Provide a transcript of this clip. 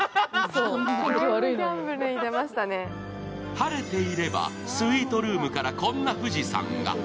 晴れていればスイートルームからこんな富士山が。